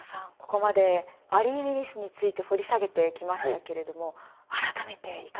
ここまでアリー・ウィリスについて掘り下げてきましたけれども改めていかがですか？